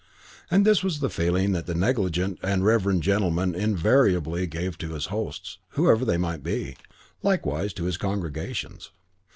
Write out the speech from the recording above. And this was the feeling that the negligent and reverend gentleman invariably gave to his hosts, whoever they might be; likewise to his congregations.